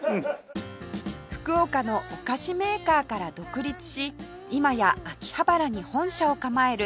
福岡のお菓子メーカーから独立し今や秋葉原に本社を構えるチロルチョコ